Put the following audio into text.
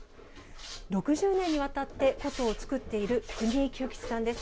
６０年にわたって箏を作っている国井久吉さんです。